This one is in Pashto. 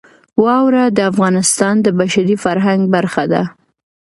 واوره د افغانستان د بشري فرهنګ برخه ده.